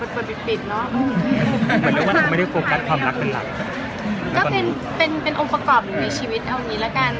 ก็เป็นเป็นเป็นเป็นองค์ประกอบในชีวิตเท่านี้ละกัน